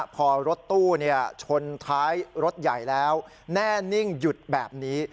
พอรถตู้ชนท้ายรถใหญ่แล้วแน่นิ่งหยุดแบบนี้